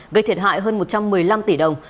gây thiệt hại hơn một trăm một mươi năm tỷ đồng